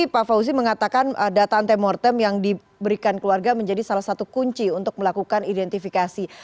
pak fauzi mengatakan data antemortem yang diberikan keluarga menjadi salah satu kunci untuk melakukan identifikasi